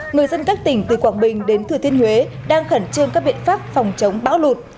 người dân các tỉnh từ quảng bình đến thừa thiên huế đang khẩn trương các biện pháp phòng chống bão lụt